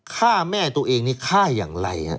ฆ่าแม่ตัวเองค่ะอย่างไร